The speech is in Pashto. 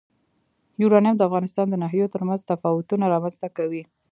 یورانیم د افغانستان د ناحیو ترمنځ تفاوتونه رامنځ ته کوي.